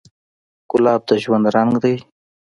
ګلاب د ژوند رنګ دی.